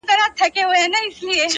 محبت په چیغو وایې قاسم یاره،